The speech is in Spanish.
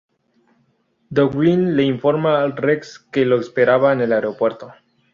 Dowling le informa a Rex que lo esperara en el aeropuerto.